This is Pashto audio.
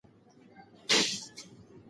کمپیوټر پرمختګونه د حرکت تایید ممکن کړي.